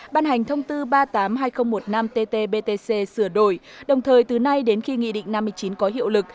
ban hành thông tư ba trăm tám mươi hai nghìn một mươi năm ttbtc sửa đổi đồng thời từ nay đến khi nghị định năm chín có hiệu lực